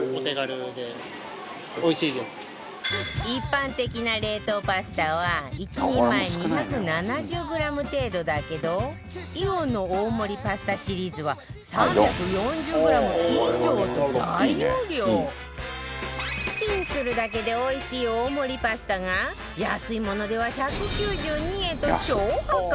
一般的な冷凍パスタは１人前、２７０ｇ程度だけどイオンの大盛りパスタシリーズは３４０ｇ以上と大容量チンするだけでおいしい大盛りパスタが安いものでは１９２円と超破格！